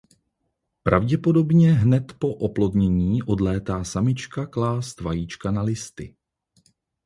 Pravděpodobně hned po oplodnění odlétá samička klást vajíčka na listy.